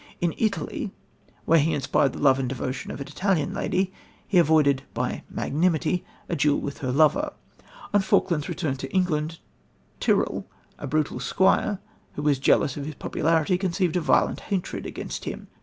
In Italy, where he inspired the love and devotion of an Italian lady, he avoided, by "magnanimity," a duel with her lover. On Falkland's return to England, Tyrrel, a brutal squire who was jealous of his popularity, conceived a violent hatred against him.